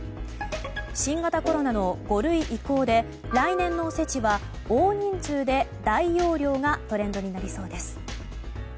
新型コロナの５類移行で来年のおせちは大人数で大容量がトレンドになりそうです。